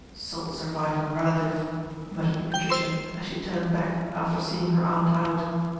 "Sole surviving relative," muttered Patricia as she turned back after seeing her aunt out.